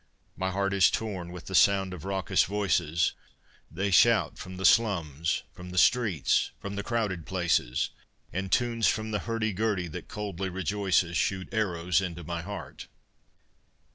My heart is torn with the sound of raucous voices, They shout from the slums, from the streets, from the crowded places, And tunes from the hurdy gurdy that coldly rejoices Shoot arrows into my heart.